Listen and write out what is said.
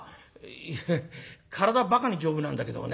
「いや体はバカに丈夫なんだけどもね